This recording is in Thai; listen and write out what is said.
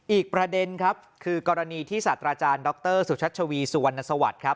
อีกประเด็นครับคือกรณีที่ศาสตราจารย์ดรสุชัชวีสุวรรณสวัสดิ์ครับ